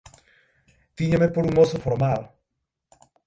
Tíñame por un mozo formal.